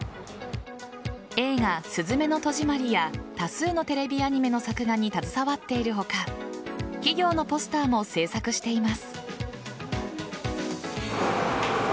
映画「すずめの戸締まり」や多数のテレビアニメの作画に携わっている他企業のポスターも制作しています。